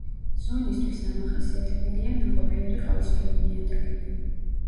ზონისთვის დამახასიათებელია ნაყოფიერი ყავისფერი ნიადაგები.